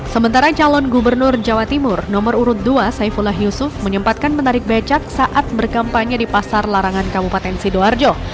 sementara calon gubernur jawa timur nomor urut dua saifullah yusuf menyempatkan menarik becak saat berkampanye di pasar larangan kabupaten sidoarjo